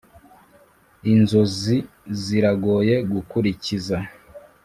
inzozi ziragoye gukurikiza